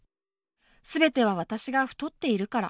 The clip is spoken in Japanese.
全ては私が太っているから。